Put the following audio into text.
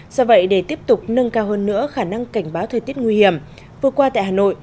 do vậy để tiếp tục nâng cao hơn nữa khả năng cảnh báo thời tiết nguy hiểm vừa qua tại hà nội